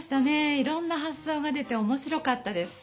いろんな発そうが出ておもしろかったです。